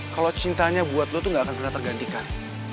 kalau cintanya buat lo tuh gak akan pernah tergantikan